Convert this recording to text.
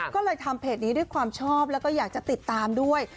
ก็เลยทำเพจนี้ด้วยความชอบแล้วก็อยากจะติดตามด้วย